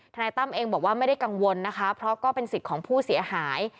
นายตั้มเองบอกว่าไม่ได้กังวลนะคะเพราะก็เป็นสิทธิ์ของผู้เสียหาย